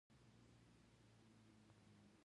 هېڅ ښځینه ستورمزلې نه وه، خو ما یوازې داسې فکر وکړ،